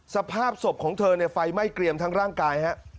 สภาพศพของเธอไฟไหม้เกรียมทั้งร่างกาย